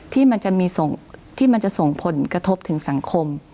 ที่มันจะส่งผลกระทบถึงสังคม